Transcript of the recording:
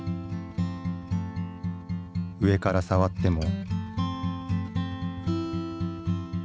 上から触っても。